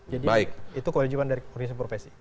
jadi itu kewajiban dari organisasi profesi